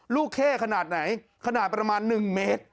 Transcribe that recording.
เข้ขนาดไหนขนาดประมาณ๑เมตร